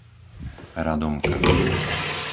Radomka